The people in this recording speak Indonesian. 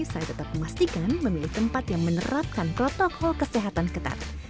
saya tetap memastikan memilih tempat yang menerapkan protokol kesehatan ketat